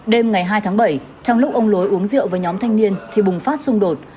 đêm ngày hai tháng bảy trong lúc ông lối uống rượu với nhóm thanh niên thì bùng phát xung đột